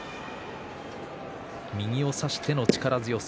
右を差しての力強さ